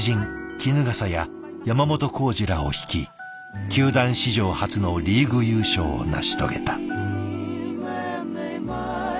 衣笠や山本浩二らを率い球団史上初のリーグ優勝を成し遂げた。